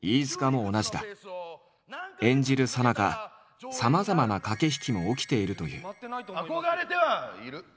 演じるさなかさまざまな駆け引きも起きているという。